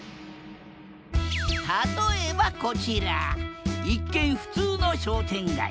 例えばこちら一見普通の商店街。